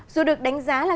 dù được đánh giá là